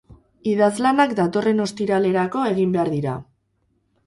Idazlanak datorren ostiralerako egin behar dira.